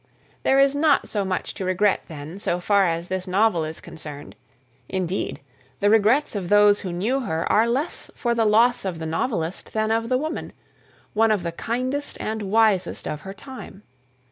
There is not so much to regret, then, so far as this novel is concerned; indeed, the regrets of those who knew her are less for the loss of the novelist than of the woman one of the kindest and wisest of her time.